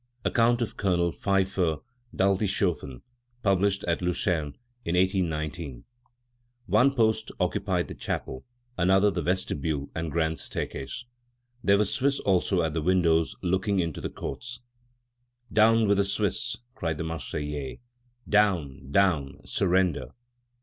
(Account of Colonel Pfyffer d'Altishoffen, published at Lucerne in 1819.) One post occupied the chapel, and another the vestibule and grand staircase. There were Swiss also at the windows looking into the courts. "Down with the Swiss!" cried the Marseillais. "Down! down! Surrender!"